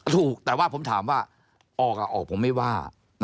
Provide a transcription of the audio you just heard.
ถูกแต่ว่าผมถามว่าออกออกผมไม่ว่า